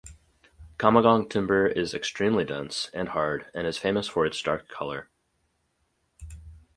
Kamagong timber is extremely dense and hard and is famous for its dark color.